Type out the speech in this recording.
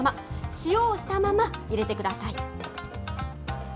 塩をしたまま入れてください。